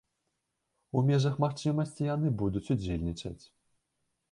У межах магчымасці яны будуць удзельнічаць.